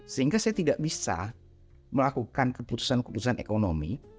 sehingga saya tidak bisa melakukan keputusan keputusan ekonomi